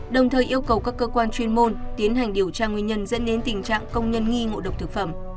đồng thời yêu cầu các cơ quan chuyên môn tiến hành điều tra nguyên nhân dẫn đến tình trạng công nhân nghi ngộ độc thực phẩm